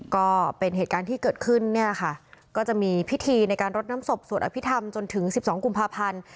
ก็เป็นเหตุการณ์ที่เกิดขึ้นเนี่ยค่ะก็จะมีพิธีในการรดน้ำศพสวดอภิษฐรรมจนถึง๑๒กุมภาพันธ์